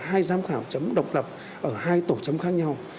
hai giám khảo chấm độc lập ở hai tổ chấm khác nhau